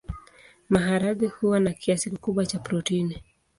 Maharagwe huwa na kiasi kikubwa cha protini.